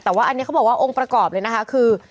แต่ว่าอันนี้เขาบอกว่าองค์ประกอบเลยนะคะคือ